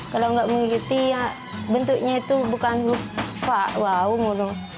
kalau nggak mengikuti ya bentuknya itu bukan wawu